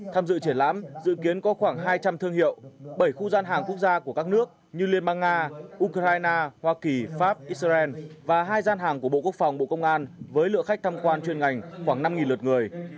tham dự triển lãm dự kiến có khoảng hai trăm linh thương hiệu bảy khu gian hàng quốc gia của các nước như liên bang nga ukraine hoa kỳ pháp israel và hai gian hàng của bộ quốc phòng bộ công an với lượng khách tham quan chuyên ngành khoảng năm lượt người